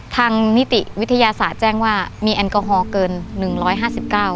นิติวิทยาศาสตร์แจ้งว่ามีแอลกอฮอลเกินหนึ่งร้อยห้าสิบเก้า